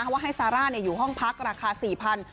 ว่าให้ซาร่าอยู่ห้องพักราคา๔๐๐บาท